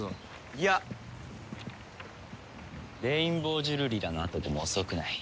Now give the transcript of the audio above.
いやレインボージュルリラのあとでも遅くない。